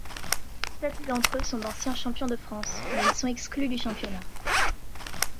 Sept d’entre eux sont d’anciens champions de France, mais ils sont exclus du championnat.